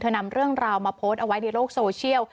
นำเรื่องราวมาโพสต์เอาไว้ในโลกโซเชียล